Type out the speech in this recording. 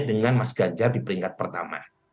dengan mas ganjar di peringkat pertama